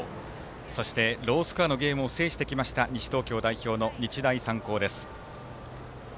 そして、ロースコアのゲームを制してきました西東京代表の、日大三高です。